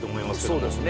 そうですね。